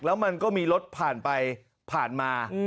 แล้วมันก็มีรถผ่านไปผ่านมา